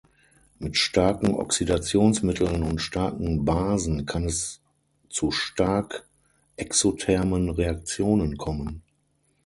Mit starken Oxidationsmitteln und starken Basen kann es zu stark exothermen Reaktionen kommen.